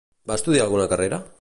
Va estudiar alguna carrera?